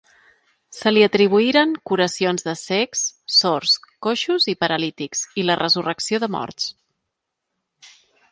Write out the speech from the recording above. Se li atribuïren curacions de cecs, sords, coixos i paralítics i la resurrecció de morts.